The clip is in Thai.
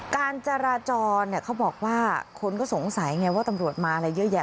การจราจรเขาบอกว่าคนก็สงสัยไงว่าตำรวจมาอะไรเยอะแยะ